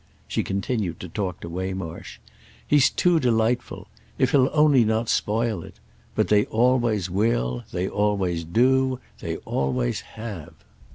She continued to talk to Waymarsh. "He's too delightful. If he'll only not spoil it! But they always will; they always do; they always have."